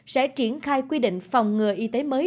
sẽ triển khai quy định phòng ngừa y tế mới